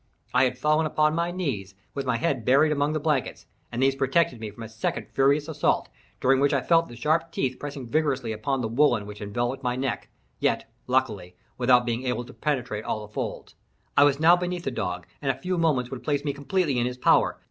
I had fallen upon my knees, with my head buried among the blankets, and these protected me from a second furious assault, during which I felt the sharp teeth pressing vigorously upon the woollen which enveloped my neck—yet, luckily, without being able to penetrate all the folds. I was now beneath the dog, and a few moments would place me completely in his power.